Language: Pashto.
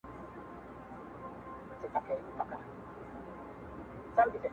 له دې سوره له دې شره له دې بې وخته محشره